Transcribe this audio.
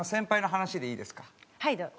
はいどうぞ。